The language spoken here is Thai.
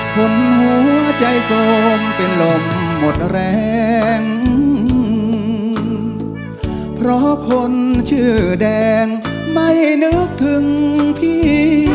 หัวใจโสมเป็นลมหมดแรงเพราะคนชื่อแดงไม่นึกถึงพี่